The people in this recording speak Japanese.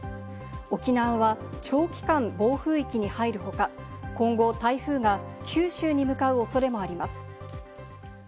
沖縄は長期間暴風域に入る他、今後、台風が九州に向かう恐れもあります。